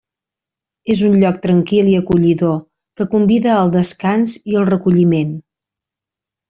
És un lloc tranquil i acollidor, que convida al descans i el recolliment.